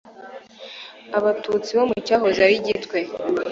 abatutsi mu cyahoze ari gitwe